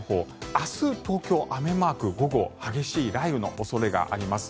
明日、東京、雨マーク午後激しい雷雨の恐れがあります。